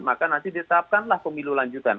maka nanti ditetapkanlah pemilu lanjutan